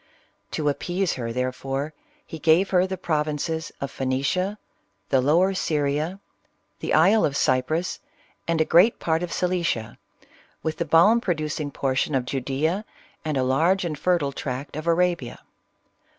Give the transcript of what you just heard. To ap pease her, therefore, he gave her the provinces of PI ice nicia, the Lower Syria, the isle of Cyprus, and a great part of Cilicia, with the balm producing portion of Ju dea, and a large and fertile tract of Arabia.